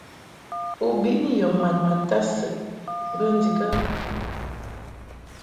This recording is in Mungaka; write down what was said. U biʼni yɔ mad ma tadsɨʼ bə ndikə ?